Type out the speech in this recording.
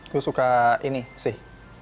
gue suka ini sih